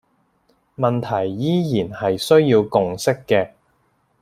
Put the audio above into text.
問題依然係需要共識嘅